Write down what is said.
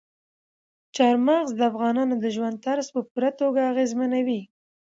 چار مغز د افغانانو د ژوند طرز په پوره توګه اغېزمنوي.